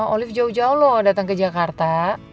olive jauh jauh loh datang ke jakarta